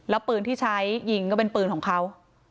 แล้วปืนที่ใช้ยิงก็เป็นปืนของเขา